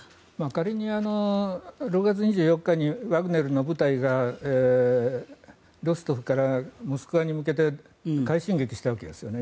仮に６月２４日にワグネルの部隊がロストフからモスクワに向けて快進撃したわけですよね。